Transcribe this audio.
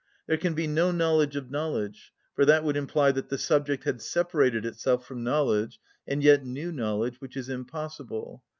There can be no knowledge of knowledge, for that would imply that the subject had separated itself from knowledge, and yet knew knowledge, which is impossible.